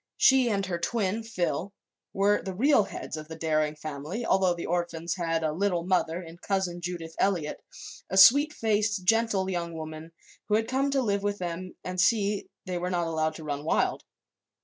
She and her twin, Phil, were the real heads of the Daring family, although the orphans had a "Little Mother" in Cousin Judith Eliot, a sweet faced, gentle young woman who had come to live with them and see that they were not allowed to run wild.